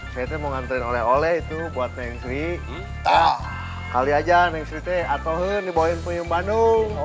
saya mau ngantri oleh oleh itu buatnya yang sih kali aja aneh sute atau dibawain penyumbang